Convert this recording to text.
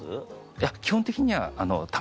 いや基本的には卵。